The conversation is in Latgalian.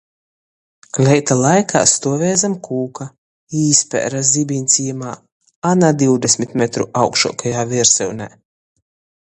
Leita laikā stuovēja zam kūka, īspēre zibiņs jimā, a na divdesmit metru augšuokajā viersyunē.